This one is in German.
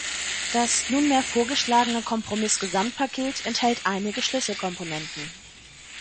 Das nunmehr vorgeschlagene Kompromiss-Gesamtpaket enthält einige Schlüsselkomponenten.